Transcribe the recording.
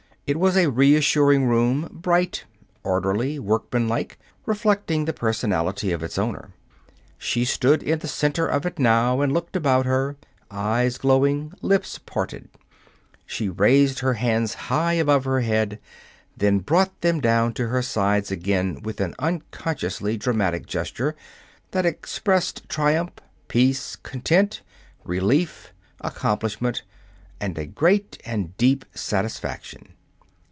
It was a reassuring room, bright, orderly, workmanlike, reflecting the personality of its owner. She stood in the center of it now and looked about her, eyes glowing, lips parted. She raised her hands high above her head, then brought them down to her sides again with an unconsciously dramatic gesture that expressed triumph, peace, content, relief, accomplishment, and a great and deep satisfaction.